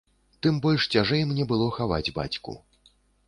Тым больш цяжэй мне было хаваць бацьку.